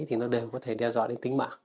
thì nó đều có thể đe dọa đến tính mạng